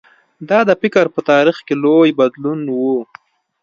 دا د فکر په تاریخ کې لوی بدلون و.